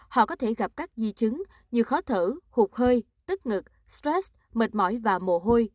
họ có thể gặp các di chứng như khó thở hụt hơi tức ngực strat mệt mỏi và mồ hôi